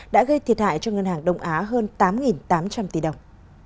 đã gây thiệt hại cho ngân hàng đông á hơn tám tám trăm linh tỷ đồng